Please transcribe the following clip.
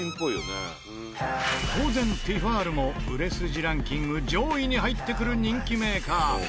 当然ティファールも売れ筋ランキング上位に入ってくる人気メーカー。